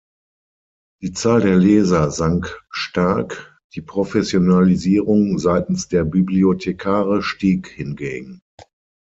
Die Zahl der Leser sank stark, die Professionalisierung seitens der Bibliothekare stieg hingegen.